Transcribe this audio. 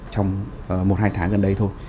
trong một hai tháng gần đây thôi